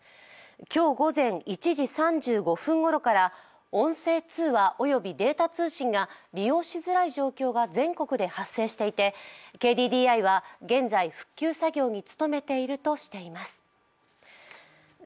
今日午前１時３５分ごろから音声通話及びデータ通信が利用しづらい状況が全国で発生していてＫＤＤＩは現在、復旧作業に努めているとしています。